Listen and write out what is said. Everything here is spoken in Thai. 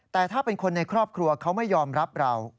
แต่ถ้าเป็นคนในครอบครัวเขาไม่ยอมรับเรา